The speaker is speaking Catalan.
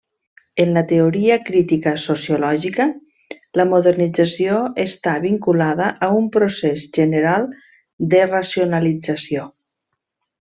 En la teoria crítica sociològica, la modernització està vinculada a un procés general de racionalització.